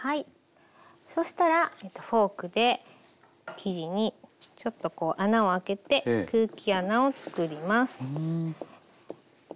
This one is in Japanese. そしたらフォークで生地にちょっとこう穴をあけて空気穴をつくります。